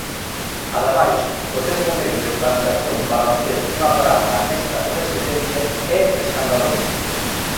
Ademais, o tempo medio de tramitación para obter unha praza nestas residencias é escandaloso.